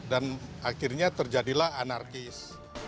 dan akhirnya terjadilah anarkis